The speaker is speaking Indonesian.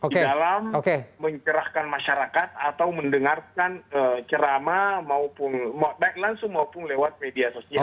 di dalam mencerahkan masyarakat atau mendengarkan cerama baik langsung maupun lewat media sosial